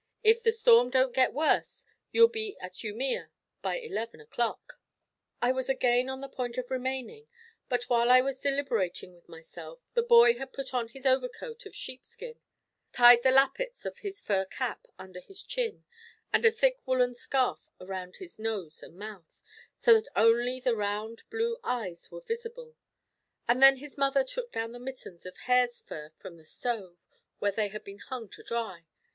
If the storm don't get worse, you'll be at Umea by eleven o'clock." I was again on the point of remaining; but while I was deliberating with myself, the boy had put on his overcoat of sheep skin, tied the lappets of his fur cap under his chin, and a thick woolen scarf around his nose and mouth, so that only the round blue eyes were visible; and then his mother took down the mittens of hare's fur from the stove, where they had been hung to dry.